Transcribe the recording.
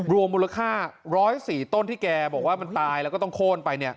รวมมูลค่า๑๐๔ต้นที่แกบอกว่ามันตายแล้วก็ต้องโค้นไป